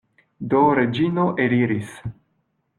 Do Reĝino eliris.